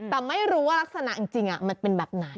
แต่ไม่รู้ว่ารักษณะจริงมันเป็นแบบไหน